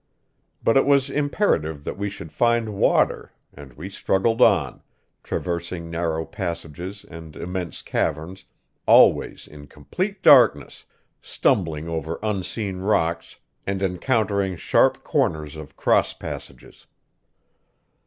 But it was imperative that we should find water, and we struggled on, traversing narrow passages and immense caverns, always in complete darkness, stumbling over unseen rocks and encountering sharp corners of cross passages.